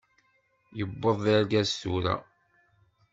Yewweḍ d argaz tura!